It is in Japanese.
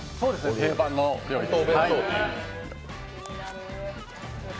定番の料理です。